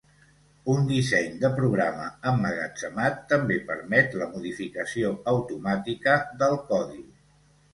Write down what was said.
Un disseny de programa emmagatzemat també permet la modificació automàtica del codi.